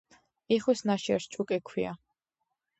იხვის ნაშიერს ჭუკი ჰქვია